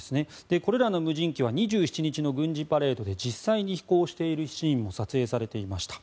これらの無人機は２７日の軍事パレードで実際に飛行しているシーンも撮影されていました。